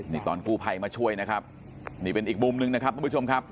นี่ตอนกู้ภัยมาช่วยนะครับนี่เป็นอีกมุมหนึ่งนะครับทุกผู้ชมครับ